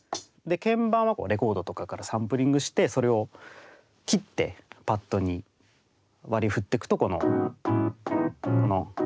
鍵盤はレコードとかからサンプリングしてそれを切ってパッドに割りふってくとこの。